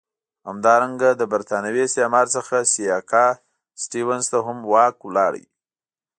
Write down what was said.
همدارنګه له برېتانوي استعمار څخه سیاکا سټیونز ته هم واک ولاړ.